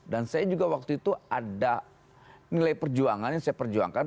saya juga waktu itu ada nilai perjuangan yang saya perjuangkan